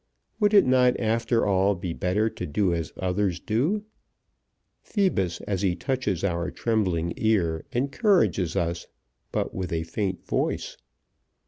Would it not after all be better to do as others use? Phoebus as he touches our trembling ear encourages us but with a faint voice.